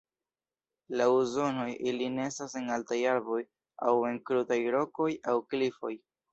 Laŭ zonoj, ili nestas en altaj arboj aŭ en krutaj rokoj aŭ klifoj.